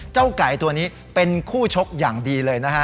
เจ้าไก่ตัวนี้เป็นคู่ชกอย่างดีเลยนะฮะ